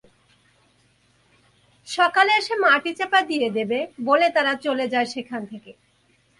সকালে এসে মাটি চাপা দিয়ে দেবে বলে তারা চলে যায় সেখান থেকে।